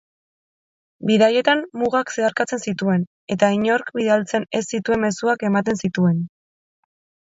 Bidaietan mugak zeharkatzen zituen eta inork bidaltzen ez zituen mezuak ematen zituen.